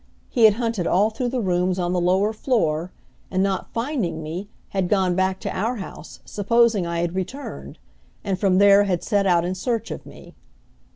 He had hunted all through the rooms on the lower floor, and not finding me, had gone back to our house, supposing I had returned; and from there had set out in search of me.